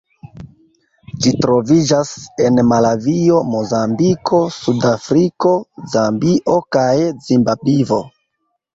Ĝi troviĝas en Malavio, Mozambiko, Sudafriko, Zambio kaj Zimbabvo.